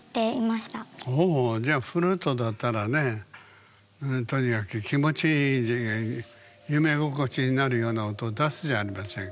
おお。じゃあフルートだったらねとにかく気持ちいい夢心地になるような音を出すじゃありませんか。